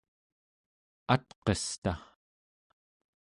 atqesta